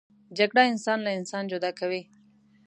جګړه انسان له انسان جدا کوي